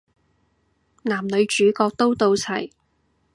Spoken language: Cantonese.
男女主角都到齊